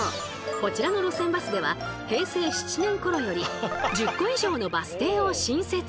こちらの路線バスでは平成７年ころより１０個以上のバス停を新設！